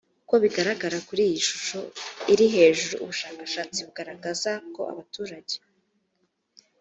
uko bigaragara kuri iyi shusho iri hejuru ubushakashatsi buragaragaza ko abaturage